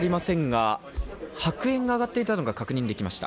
白煙が上がっているのが分かります。